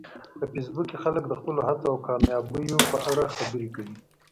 په فېسبوک کې خلک د خپلو هڅو او کامیابیو په اړه خبرې کوي